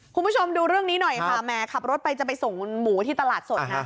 คุณผู้ชมดูเรื่องนี้หน่อยค่ะแหมขับรถไปจะไปส่งหมูที่ตลาดสดนะ